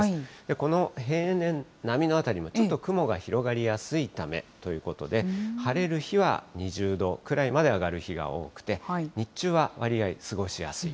この平年並みのあたりもちょっと雲が広がりやすいためということで、晴れる日は２０度くらいまで上がる日が多くて、日中はわりあい過ごしやすい。